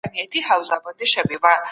زما خو تمه وه چي خورو به یې ښورواوي